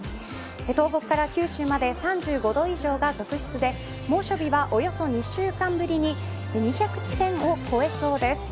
東北から九州まで３５度以上が続出で猛暑日はおよそ２週間ぶりに２００地点を超えそうです。